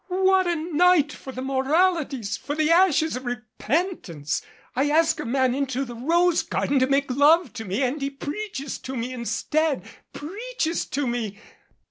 "What a night for the moralities for the ashes of repentance! I ask a man into the rose garden to make love to me and he preaches to me instead preaches to me!